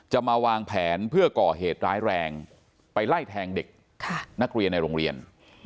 มาวางแผนเพื่อก่อเหตุร้ายแรงไปไล่แทงเด็กนักเรียนในโรงเรียน